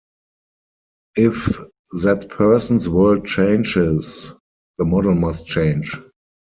If that person's world changes, the model must change.